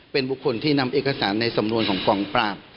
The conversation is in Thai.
เป็นบุคคลที่นำเอกสารในสำนวนของกองปราบ